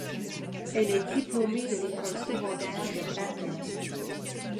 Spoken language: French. Elle est diplômée de l'école secondaire de Bathurst.